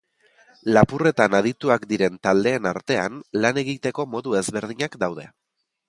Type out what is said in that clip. Lapurretan adituak diren taldeen artean, lan egiteko modu ezberdinak daude.